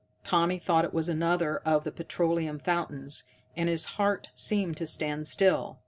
Tommy thought it was another of the petroleum fountains, and his heart seemed to stand still.